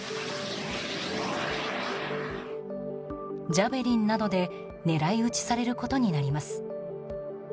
ジャベリンなどで狙い撃ちされることになります。